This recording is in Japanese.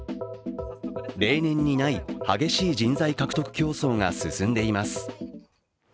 例年にない激しい人材獲得競争が続いています。